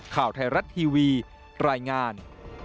ข่าวไทยรัฐทีวีรายงาน